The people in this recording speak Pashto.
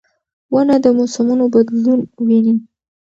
ونه د موسمونو بدلون ویني.